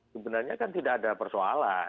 sebenarnya kan tidak ada persoalan